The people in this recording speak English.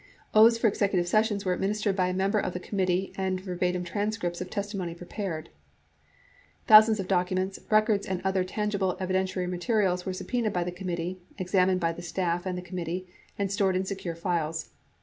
Oaths for executive sessions were administered by a member of the committee and verbatim transcriptions of testimony prepared. Thousands of documents, records and other tangible evidentiary materials were subpenaed by the committee, examined by the staff and the committee, and stored in secure files.